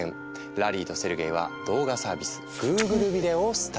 ラリーとセルゲイは動画サービス「Ｇｏｏｇｌｅビデオ」をスタート。